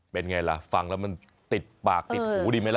เป็นไงล่ะฟังแล้วมันติดปากติดหูดีไหมล่ะ